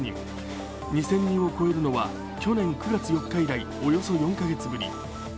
２０００人を超えるのは去年９月４日以来およそ４カ月ぶり。